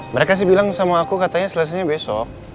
mereka sih bilang sama aku katanya selesainya besok